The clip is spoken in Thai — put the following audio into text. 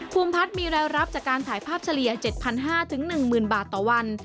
ภูมิพัฒน์มีรายรับจากการถ่ายภาพเฉลี่ย๗๕๐๐๑๐๐๐บาทต่อวัน